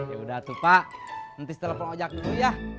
yaudah tuh pak nanti setelah pengojak itu ya